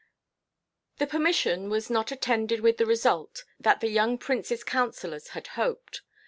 The permission was not attended with the result that the young prince's counsellors had hoped.